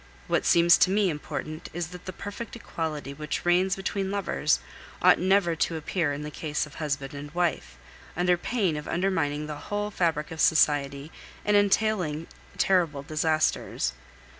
What seems to me important is that the perfect equality which reigns between lovers ought never to appear in the case of husband and wife, under pain of undermining the whole fabric of society and entailing terrible disasters.